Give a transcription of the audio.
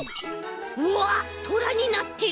うわっトラになってる！